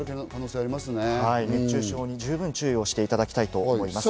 熱中症に十分注意していただきたいと思います。